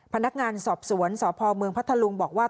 พนักงานสอบสวนสพเมืองพัทธลุงบอกว่า